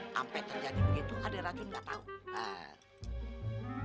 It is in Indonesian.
sampai terjadi begitu ada racun gak tau